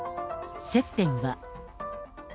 接点は。